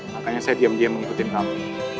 makanya saya diam diam mengikuti kamu